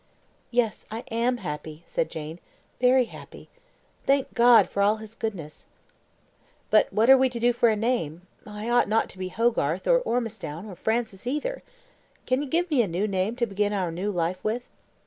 "Yes, I am happy," said Jane, "very happy. Thank God for all his goodness." "But what are we to do for a name? I ought not to be Hogarth, or Ormistown, or Francis either. Can you give me a new name to begin our new life with?"